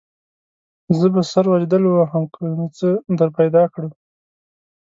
زه به سر وجدل ووهم که مې څه درپیدا کړه.